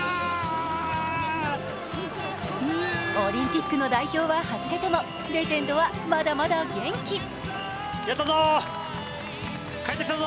オリンピックの代表は外れても、レジェンドはまだまだ元気！